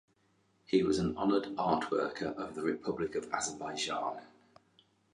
He was an Honored Art Worker of the Republic of Azerbaijan.